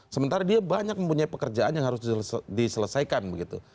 sementara dia banyak mempunyai pekerjaan yang harus diselesaikan begitu